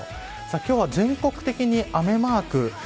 今日は全国的に雨マーク。